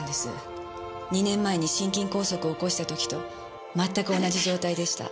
２年前に心筋梗塞を起こした時とまったく同じ状態でした。